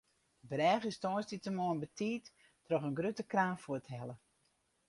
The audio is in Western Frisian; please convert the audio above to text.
De brêge is tongersdeitemoarn betiid troch in grutte kraan fuorthelle.